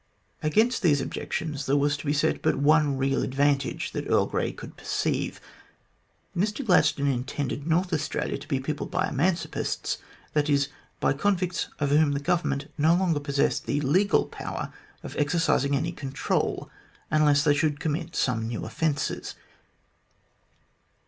Against these objections there was to be set but one real advantage that Earl Grey could perceive. Mr Gladstone intended North Australia to be peopled by emancipists, that is, by convicts over whom the Government no longer possessed the legal power of exercising any control, unless they should commit some new offences.